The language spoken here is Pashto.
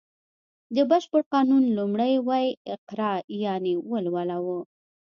د بشپړ قانون لومړی ویی اقرا یانې ولوله و